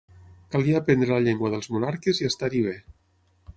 Calia aprendre la llengua dels monarques i estar-hi bé.